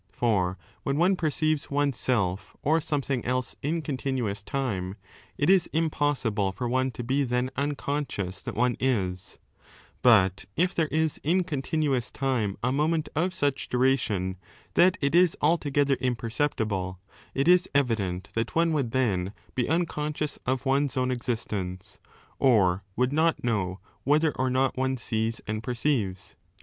^ 17 For when one perceives one's self or something else in continuous time, it is impossible for one to be then unconscious that one is; but if there is in continuous time a moment of such duration that it is altogether imperceptible, it is evident that one would then be unconscious of one's own existence, or would not know whether or not one sees and perceives.